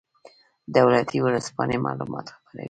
دولتي ورځپاڼې معلومات خپروي